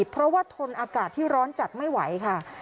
เพราะว่าทนอากาศที่ร้อนจัดไม่ไหวค่ะ